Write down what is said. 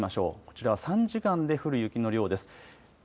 こちらは３時間で降る雪の量です。